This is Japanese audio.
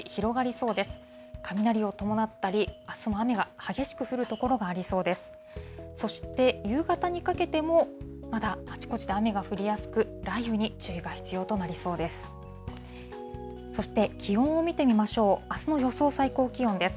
そして夕方にかけても、まだあちこちで雨が降りやすく、雷雨に注意が必要となりそうです。